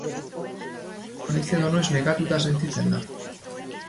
Noiz edo noiz nekatuta sentitzen da.